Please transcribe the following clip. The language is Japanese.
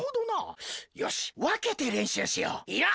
よしわけてれんしゅうしよう。